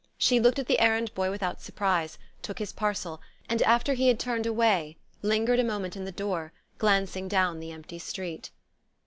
She looked at the errand boy without surprise, took his parcel, and after he had turned away, lingered a moment in the door, glancing down the empty street.